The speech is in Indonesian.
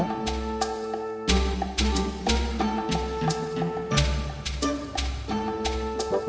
kamu mau kerja apa sarkum